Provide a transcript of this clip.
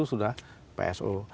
itu sudah pso